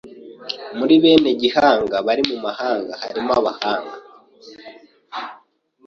Muri bene Gihanga bari mu mahanga Harimo abahanga